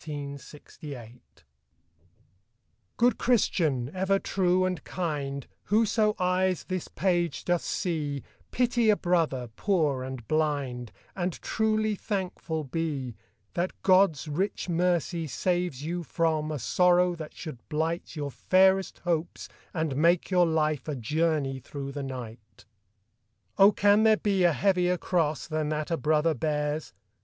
••• Good Christian, ever true and kind, AVhoso eyes this page doth see, Pity a brother, poor and blind, And truly thankful be— That God's rieh mercy saves you from A sorrow that should blight Your fairest hopes and make your life A journey through the night. Oh, can there be a heavier cross Than that a brother bears?